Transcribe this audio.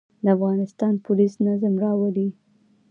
د افغانستان پولیس نظم راولي